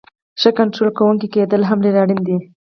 ښه کنټرول کوونکی کیدل هم ډیر اړین دی.